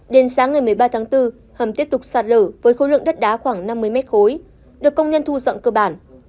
đến sáng ngày một mươi ba tháng bốn hầm tiếp tục sạt lở với khối lượng đất đá khoảng năm mươi mét khối được công nhân thu dọn cơ bản